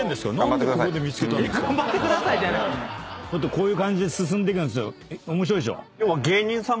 こういう感じで進んでいくんです面白いでしょ？